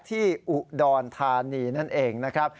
ที่อุดรธานีนั่นเองนะครับ